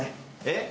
えっ？